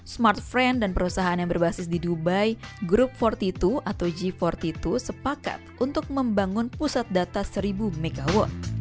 smart friend dan perusahaan yang berbasis di dubai group empat puluh dua atau g empat puluh dua sepakat untuk membangun pusat data seribu mw